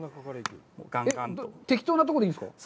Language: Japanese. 適当なところでいいですか？